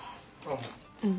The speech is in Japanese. うん。